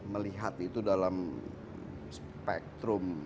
melihat itu dalam spektrum